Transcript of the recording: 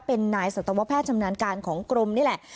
เป็นนายสัตวแพทย์ชำนาญการของกรมนี่แหละ